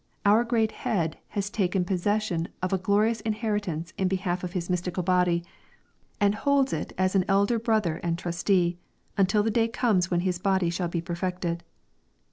Our great Head has taken possession of a glorious inheritance in behalf of Hia mystical body, and holds it as an elder brother and trustee, until the day comes when His body shall be perfected.